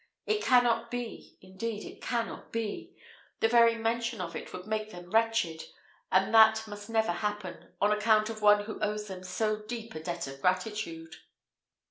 It cannot be, indeed it cannot be! The very mention of it would make them wretched, and that must never happen, on account of one who owes them so deep a debt of gratitude."